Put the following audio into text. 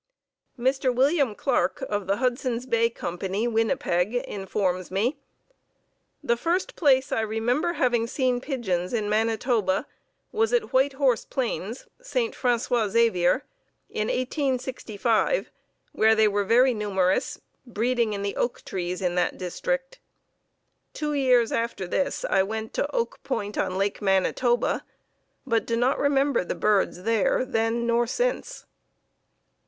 Mr. William Clark of the Hudson's Bay Company, Winnipeg, informs me: "The first place I remember having seen pigeons in Manitoba was at White Horse Plains (St. François Xavier) in 1865, where they were very numerous, breeding in the oak trees in that district. Two years after this I went to Oak Point on Lake Manitoba, but do not remember the birds there then nor since."